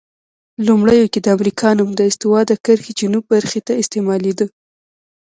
لومړیو کې د امریکا نوم د استوا د کرښې جنوب برخې ته استعمالیده.